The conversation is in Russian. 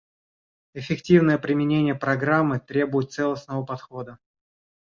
Эффективное применение Программы требует целостного подхода.